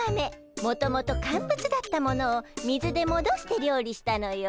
もともと乾物だったものを水でもどして料理したのよ。